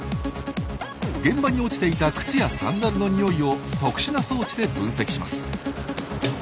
現場に落ちていた靴やサンダルのニオイを特殊な装置で分析します。